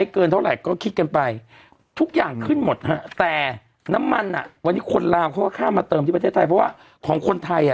คนน่ะเขาอยากบอกเลย